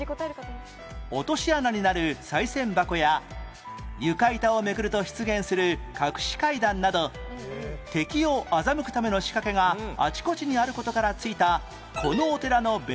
落とし穴になる賽銭箱や床板をめくると出現する隠し階段など敵を欺くための仕掛けがあちこちにある事から付いたこのお寺の別名は何寺？